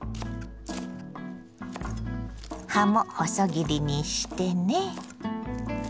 葉も細切りにしてね。